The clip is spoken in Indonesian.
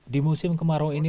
di musim kemarau ini